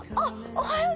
おはよう！